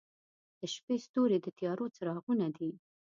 • د شپې ستوري د تیارو څراغونه دي.